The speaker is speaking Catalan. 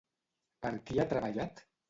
Per qui ha treballat?